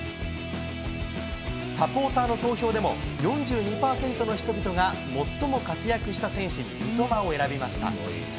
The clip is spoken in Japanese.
サポーターの投票でも、４２％の人々が、最も活躍した選手に三笘を選びました。